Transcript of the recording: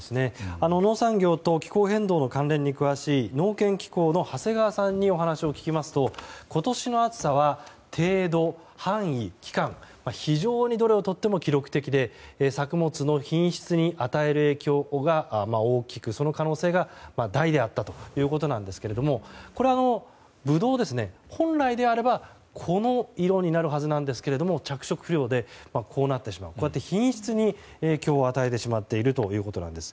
農産業と気候変動の関連に詳しい農研機構の長谷川さんにお話を聞きますと今年の暑さは程度、範囲、期間が非常にどれをとっても記録的で作物の品質に与える影響が大きく、その可能性が大であったということですがブドウは本来であればこの色になるはずなんですけども着色不良でこうなってしまい品質に影響を与えてしまっているということなんです。